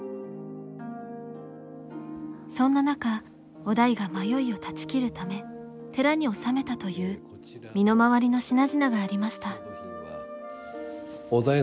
そんな中於大が迷いを断ち切るため寺に納めたという身の回りの品々がありました。